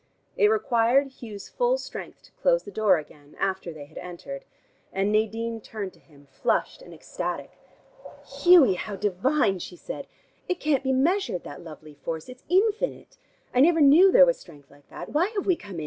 It required Hugh's full strength to close the door again, after they had entered, and Nadine turned to him, flushed and ecstatic. "Hughie, how divine!" she said. "It can't be measured, that lovely force. It's infinite. I never knew there was strength like that. Why have we come in?